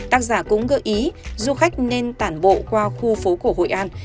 tác giả cũng gợi ý du khách nên tản bộ qua khu phố cổ hội an